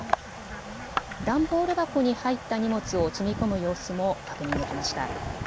段ボール箱に入った荷物を積み込む様子も確認できました。